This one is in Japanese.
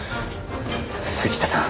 杉下さん。